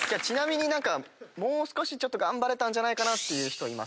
ちなみにもう少し頑張れたんじゃないかって人は？